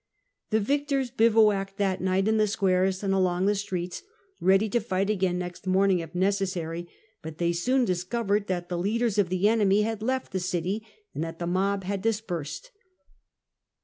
The victors bivouacked that night in the squares and along the streets, ready to fight again next morning if necessary : but they soon discovered that the leaders of the enemy had left the city, and that the mob had dis persed.